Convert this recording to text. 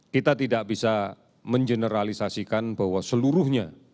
kita tidak bisa mengeneralisasikan bahwa seluruhnya